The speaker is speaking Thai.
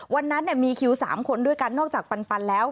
วันนั้นมีคิว๓คนด้วยกันนอกจากปันแล้ว